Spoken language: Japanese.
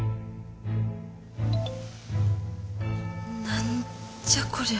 何じゃこりゃ。